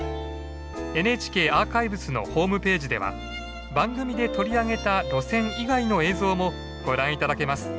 ＮＨＫアーカイブスのホームページでは番組で取り上げた路線以外の映像もご覧頂けます。